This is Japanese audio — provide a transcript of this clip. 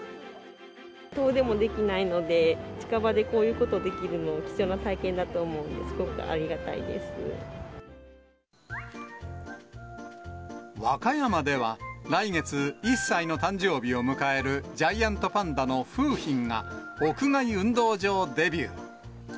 遠出もできないので、近場でこういうことできるの、貴重な体験だと思うので、すごく和歌山では、来月、１歳の誕生日を迎えるジャイアントパンダの楓浜が、屋外運動場デビュー。